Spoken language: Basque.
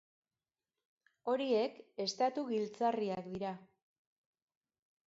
Horiek estatu giltzarriak dira.